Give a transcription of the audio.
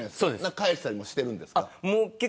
返したりもするんですか。